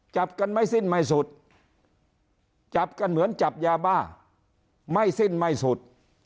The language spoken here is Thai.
จับกันไม่สิ้นไม่สุดจับกันเหมือนจับยาบ้าไม่สิ้นไม่สุด